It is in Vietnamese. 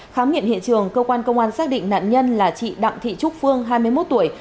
khám nghiệm hiện trường cơ quan công an xác định nạn nhân là chị đặng thị trúc phương hai mươi một tuổi